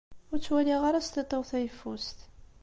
Ur ttwaliɣ ara s tiṭ-iw tayeffust.